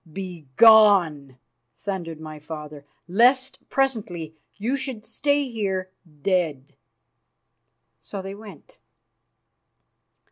"Begone!" thundered my father, "lest presently you should stay here dead." So they went.